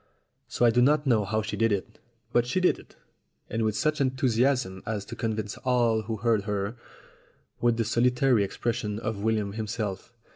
So I do not know how she did it ; but she did it, and with such enthusiasm as to convince all who heard her, with the solitary exception of William himself.